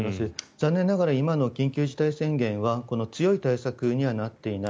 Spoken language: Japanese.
残念ながら今の緊急事態宣言はこの強い対策にはなっていない。